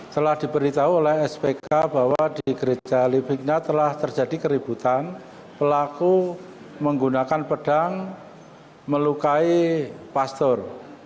setelah diberitahu oleh spk bahwa di gereja lipikna telah terjadi keributan pelaku menggunakan pedang melukai pastor